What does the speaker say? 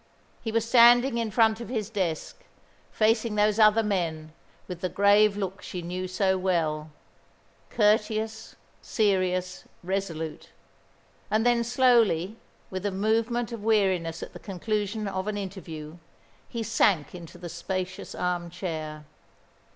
He was standing in front of his desk, facing those other men with the grave look she knew so well courteous, serious, resolute and then slowly, with a movement of weariness at the conclusion of an interview, he sank into the spacious arm chair.